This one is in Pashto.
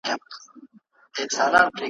راغی چي په خوب کي مي لیدلی وو زلمی پښتون `